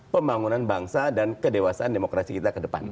pembangunan bangsa dan kedewasaan demokrasi kita ke depan